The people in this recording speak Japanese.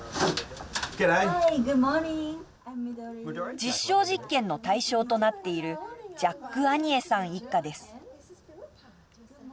実証実験の対象となっているジャック・アニエさん一家です。